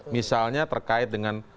misalnya terkait dengan